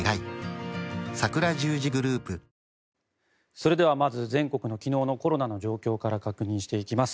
それではまず全国の昨日のコロナの状況から確認していきます。